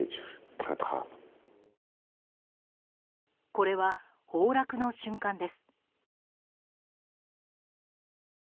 これは崩落の瞬間です。